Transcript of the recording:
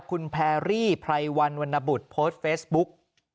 คุณแพรรี่ไพรวันวรรณบุตรโพสต์เฟซบุ๊ก